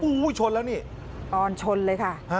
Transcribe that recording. โอ้โหชนแล้วนี่ตอนชนเลยค่ะ